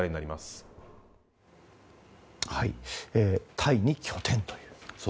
タイに拠点という。